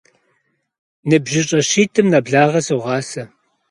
НыбжьыщӀэ щитӏым нэблагъэ согъасэ.